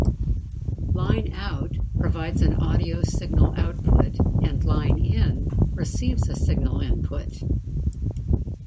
"Line out" provides an audio signal output and "line in" receives a signal input.